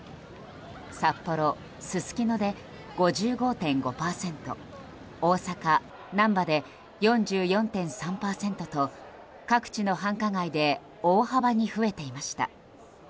札幌・すすきので５５．５％大阪・難波で４４．３％と各地の繁華街で大幅に増えていました。